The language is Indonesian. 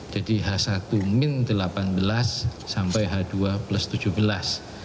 jadi h satu delapan belas sampai h dua plus tujuh belas